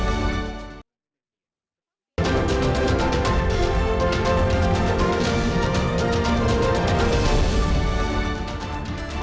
kalau tadi kan bahasnya